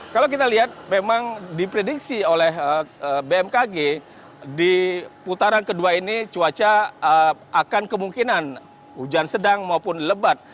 kalau kita lihat memang diprediksi oleh bmkg di putaran kedua ini cuaca akan kemungkinan hujan sedang maupun lebat